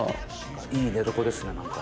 いい寝床ですね何か。